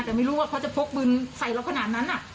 แต่ไม่รู้ว่าเขาจะพกปืนใส่เราขนาดนั้น